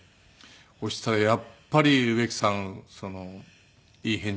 そしたらやっぱり植木さんいい返事もらえなくて。